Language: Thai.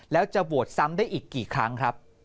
แล้วจะโหวตซ้ำได้อีกกี่ครั้งครับ